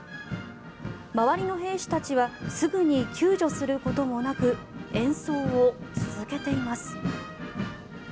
周りの兵士たちはすぐに救助することもなく演奏を続けています。